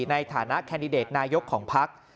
ในฐานะแคนดิเดตนายกของพัก